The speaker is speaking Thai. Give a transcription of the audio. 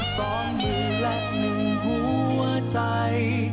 สองมือรักหนึ่งหัวใจ